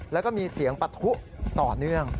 แล้วก็มีเสียงปะทุต่อเนื่อง